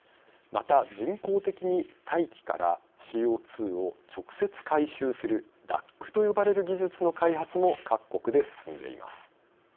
また、人工的に大気からＣＯ２を直接回収するＤＡＣと呼ばれる技術の開発も各国で進んでいます。